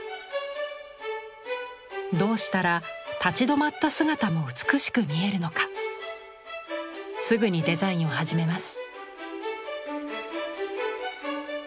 どうしたら立ち止まった姿も美しく見えるのかすぐにデザインを始めます。